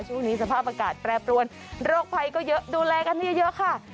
ช่วงนี้สภาพอากาศแปรปรวนโรคภัยก็เยอะดูแลกันเยอะค่ะ